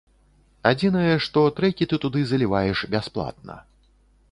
Адзінае, што трэкі ты туды заліваеш бясплатна.